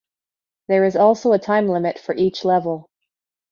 There is also a time limit for each level.